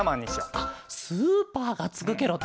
あっスーパーがつくケロね。